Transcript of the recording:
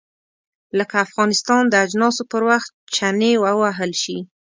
لکه افغانستان د اجناسو پر وخت چنې ووهل شي.